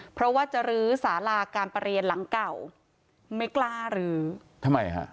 เพราะว่าจะรื้อสาราการประเรียนหลังเก่าไม่กล้ารื้อทำไมฮะ